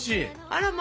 あらま。